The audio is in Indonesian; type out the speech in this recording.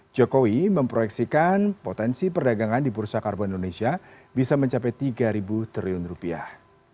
jokowi memproyeksikan potensi perdagangan di bursa karbon indonesia bisa mencapai tiga triliun rupiah